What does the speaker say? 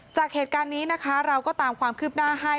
จากเหตุการณ์นี้นะคะเราก็ตามความคืบหน้าให้